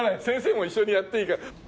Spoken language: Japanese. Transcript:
先生も一緒にやっていいから。